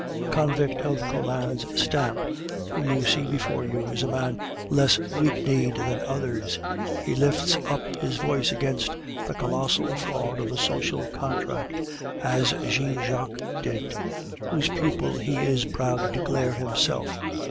A convict of Collin's stamp, whom you see before you, is a man less weak kneed than others; he lifts up his voice against the colossal fraud of the Social Contract, as Jean Jacques did, whose pupil he is proud to declare himself.